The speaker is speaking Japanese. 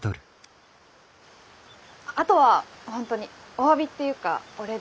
あとは本当におわびっていうかお礼です。